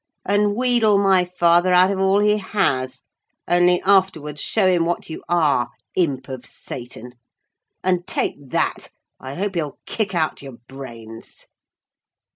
and wheedle my father out of all he has: only afterwards show him what you are, imp of Satan.—And take that, I hope he'll kick out your brains!"